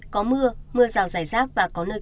có mưa mưa rào rải rác và có nơi